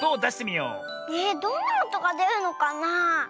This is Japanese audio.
えどんなおとがでるのかなあ。